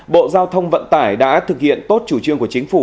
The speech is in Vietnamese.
bộ giao thông vận tải đã thực hiện tốt chủ trương của chính phủ